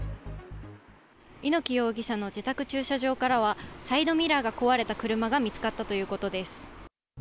猪木容疑者の自宅駐車場からは、サイドミラーが壊れた車が見つかったということです。